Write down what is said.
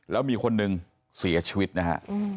แล้วมีคนนึงเสียชีวิตนะฮะ